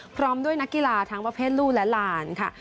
พร้อมด้วยนักกีฬาทั้งประเภทลูกและหลานค่ะ